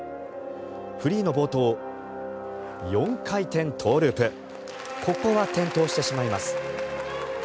フリーの冒頭、４回転トウループここは転倒してしまいます。